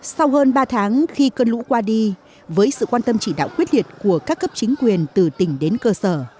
sau hơn ba tháng khi cơn lũ qua đi với sự quan tâm chỉ đạo quyết liệt của các cấp chính quyền từ tỉnh đến cơ sở